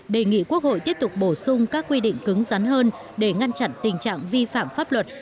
đề nghị quốc hội tiếp tục bổ sung các quy định cứng rắn hơn để ngăn chặn tình trạng vi phạm pháp luật